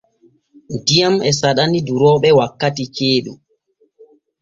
Diyam e saɗani durooɓe wakkati ceeɗu.